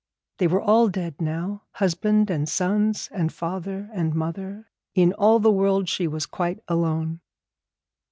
They were all dead now, husband and sons and father and mother; in all the world she was quite alone.